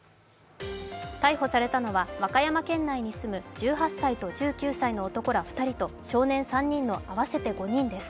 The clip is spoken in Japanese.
逮捕されたのは、和歌山県内に住む１８歳と１９歳の男ら２人と少年３人の合わせて５人です。